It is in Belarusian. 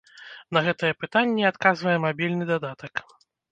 На гэтыя пытанні адказвае мабільны дадатак.